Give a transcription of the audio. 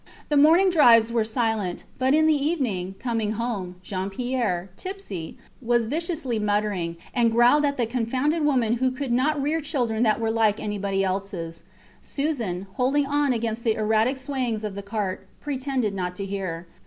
The morning drives were silent; but in the evening, coming home, Jean Pierre, tipsy, was viciously muttering, and growled at the confounded woman who could not rear children that were like anybody elses. Susan, holding on against the erratic swayings of the cart, pretended not to hear.